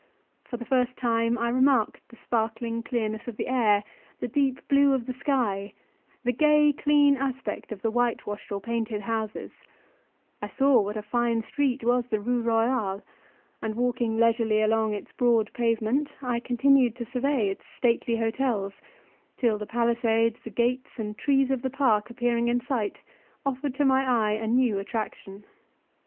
For the first time I remarked the sparkling clearness of the air, the deep blue of the sky, the gay clean aspect of the white washed or painted houses; I saw what a fine street was the Rue Royale, and, walking leisurely along its broad pavement, I continued to survey its stately hotels, till the palisades, the gates, and trees of the park appearing in sight, offered to my eye a new attraction.